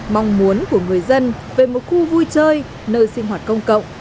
mong muốn của người dân về một khu vui chơi nơi sinh hoạt công cộng